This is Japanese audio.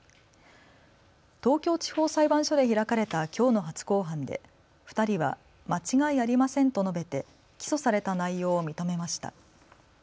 東京地方裁判所で開かれたきょうの初公判で２人は間違いありませんと述べて起訴された内容を認めました。